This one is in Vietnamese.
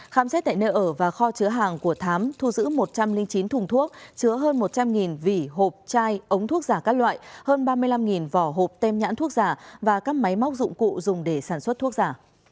khám xét tại nơi ở và kho chứa hàng của thám thu giữ một trăm linh chín thùng thuốc chứa hơn một trăm linh vỉ hộp chai ống thuốc giả các loại hơn ba mươi năm vỏ hộp tem nhãn thuốc giả và các máy móc dụng cụ dùng để sản xuất thuốc giả